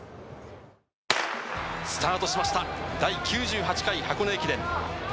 スタートしました、第９６回箱根駅伝。